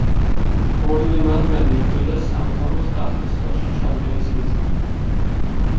ორივე მათგანი იბრძოდა სამთავროს ტახტის ხელში ჩაგდების მიზნით.